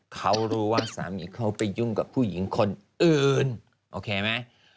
เขารู้ว่าสามีเขาไปยุ่งกับผู้หญิงคนอื่นโอเคไหม